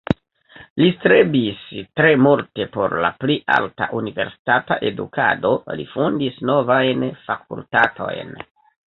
Li strebis tre multe por la pli alta universitata edukado, li fondis novajn fakultatojn.